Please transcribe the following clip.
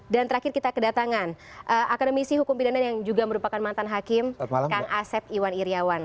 dan terakhir kita kedatangan akademisi hukum bidanan yang juga merupakan mantan hakim kang asep iwan iryawan